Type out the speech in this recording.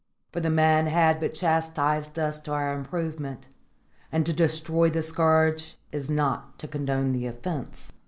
For the man had but chastised us to our improvement; and to destroy the scourge is not to condone the offence.